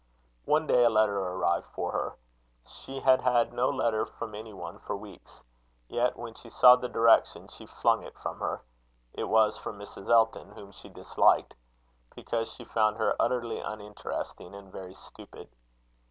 One day a letter arrived for her. She had had no letter from any one for weeks. Yet, when she saw the direction, she flung it from her. It was from Mrs. Elton, whom she disliked, because she found her utterly uninteresting and very stupid.